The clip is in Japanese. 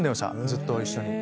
ずっと一緒に。